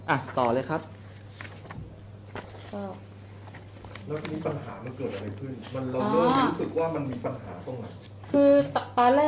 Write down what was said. แล้วทีนี้ปัญหามันเกิดอะไรขึ้นมันเราก็รู้สึกว่ามันมีปัญหาตรงไหน